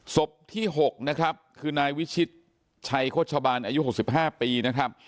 ศพที่๖นะครับคือนายวิชิตชัยโฆษบาลอายุ๖๕ปีนะครับ